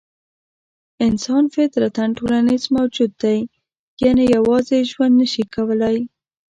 انسان فطرتاً ټولنیز موجود دی؛ یعنې یوازې ژوند نه شي کولای.